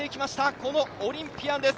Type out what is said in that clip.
このオリンピアンです。